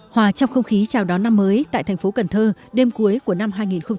hòa trong không khí chào đón năm mới tại thành phố cần thơ đêm cuối của năm hai nghìn một mươi chín